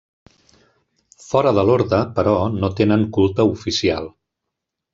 Fora de l'orde, però, no tenen culte oficial.